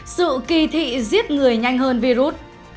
sự kỳ thị giết người nhanh hơn virus